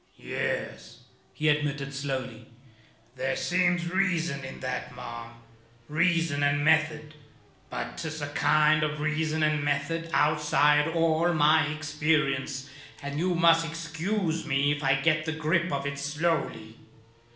"Yes," he admitted slowly, "there seems reason in that, ma'am; reason and method. But 'tis a kind of reason and method outside all my experience, and you must excuse me if I get the grip of it slowly.